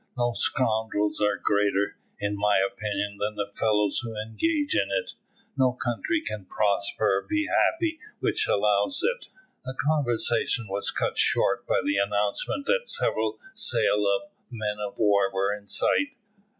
No scoundrels are greater, in my opinion, than the fellows who engage in it. No country can prosper or be happy which allows it." The conversation was cut short by the announcement that several sail of men of war were in sight.